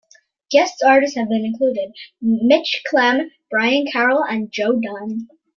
Guest artists have included Mitch Clem, Brian Carroll and Joe Dunn.